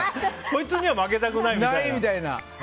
こいつには負けたくないみたいな。